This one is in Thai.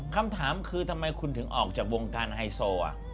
คำถามคือทำไมคุณถึงออกจากวงการไฮโซ